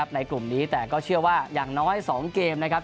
ในกลุ่มนี้แต่ก็เชื่อว่าอย่างน้อย๒เกมนะครับ